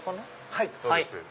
はいそうです。